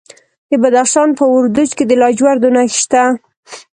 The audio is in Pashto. د بدخشان په وردوج کې د لاجوردو نښې شته.